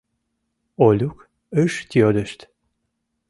Олюк ыш йодышт.